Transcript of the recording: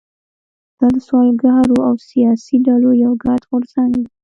دا د سوداګرو او سیاسي ډلو یو ګډ غورځنګ و.